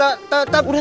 udah tangpung tuh